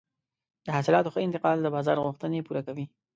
د حاصلاتو ښه انتقال د بازار غوښتنې پوره کوي.